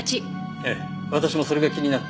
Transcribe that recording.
ええ私もそれが気になって。